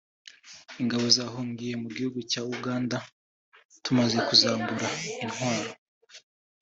” Ingabo zahungiye mu gihugu cyacu cya Uganda tumaze kuzambura intwaro